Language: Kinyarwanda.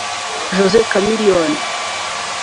Jose Chameleon